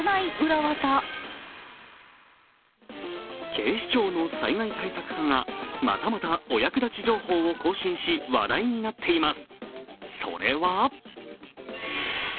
警視庁の災害対策課がまたまたお役立ち情報を更新し、話題になっています。